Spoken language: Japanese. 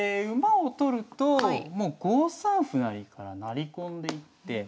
馬を取るともう５三歩成から成り込んでいって。